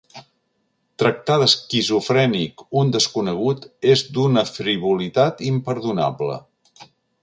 Tractar d'esquizofrènic un desconegut és d'una frivolitat imperdonable.